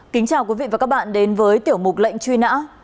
kính chào quý vị và các bạn đến với tiểu mục lệnh truy nã